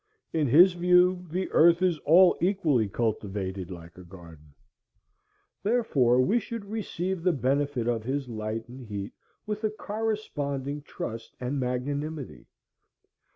In his view the earth is all equally cultivated like a garden. Therefore we should receive the benefit of his light and heat with a corresponding trust and magnanimity.